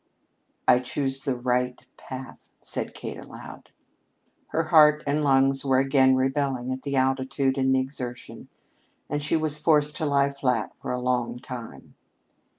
"I choose the right path," said Kate aloud. Her heart and lungs were again rebelling at the altitude and the exertion, and she was forced to lie flat for a long time.